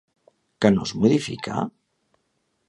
Què no es modifica?